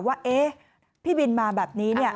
ว่าเฮ่ยพี่บินมาแบบนี้